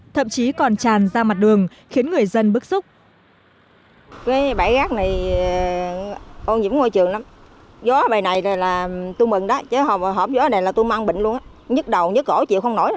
thậm chí còn tràn ra mặt đường khiến người dân bức xúc